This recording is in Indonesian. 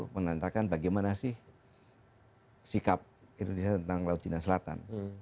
menantangkan bagaimana sih sikap indonesia tentang laut cina selatan